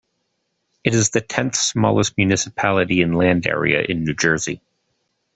It is the tenth-smallest municipality in land area in New Jersey.